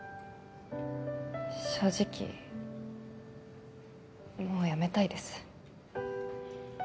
正直もう辞めたいです